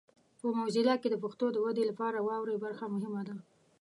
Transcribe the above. په موزیلا کې د پښتو د ودې لپاره واورئ برخه مهمه ده.